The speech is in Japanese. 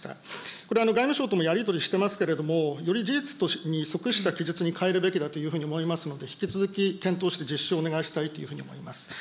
これ、外務省ともやり取りしてますけれども、より事実に即した記述に変えるべきだというふうに思いますので、引き続き検討して実施をお願いしたいというふうに思います。